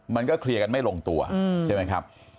มันก็เคลียร์กันไม่ลงตัวใช่ไหมครับ